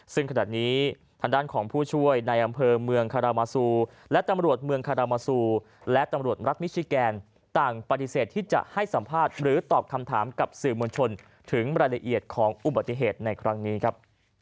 ซึ่งขณะนี้ทางด้านของผู้ช่วยในอำเภอเมืองคารามาซูและตำรวจเมืองคารามาซูและตำรวจรัฐมิชิแกนต่างปฏิเสธที่จะให้สัมภาษณ์หรือตอบคำถามกับสื่อมวลชนถึงรายละเอียดของอุบัติเหตุในครั้งนี้ครับ